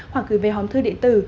hoặc gửi về hóa thư điện tử